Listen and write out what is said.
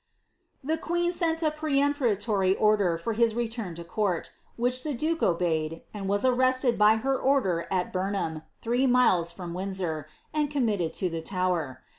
"* The queen sent a peremptory order for his return to court, which the duke obeyed, and was arrested by her order at Bumham, three mile* from Windsor, and committed to the Tower.